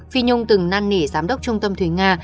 phi nhung từng năn nỉ giám đốc trung tâm thúy nga